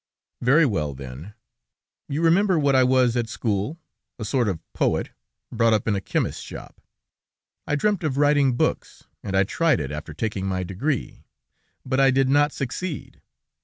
"Very well, then. You remember what I was at school; a sort of poet, brought up in a chemist's shop. I dreamt of writing books, and I tried it, after taking my degree, but I did not succeed.